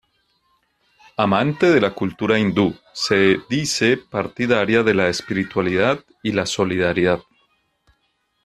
Amante de la cultura hindú, se dice partidaria de la espiritualidad y la solidaridad.